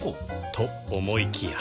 と思いきや